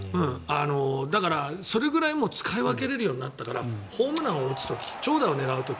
だからそれぐらい使い分けられるようになったからホームランを打つ時長打を狙う時。